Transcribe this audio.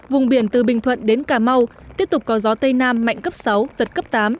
vùng biển từ bình thuận đến cà mau tiếp tục có gió tây nam mạnh cấp sáu giật cấp tám